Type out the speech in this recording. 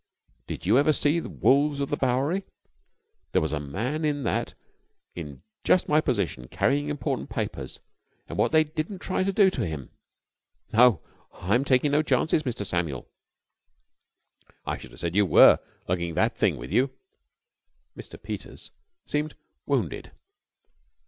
Did you ever see 'Wolves of the Bowery'? There was a man in that in just my position, carrying important papers, and what they didn't try to do to him! No, I'm taking no chances, Mr. Samuel!" "I should have said you were, lugging that thing about with you." Mr. Peters seemed wounded.